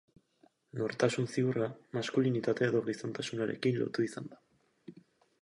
Nortasun ziurra maskulinitate edo gizontasunarekin lotu izan da.